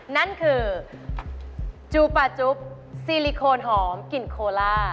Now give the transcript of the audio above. นั่นคือจูปาจุ๊บซีลิโคนหอมกลิ่นโคล่า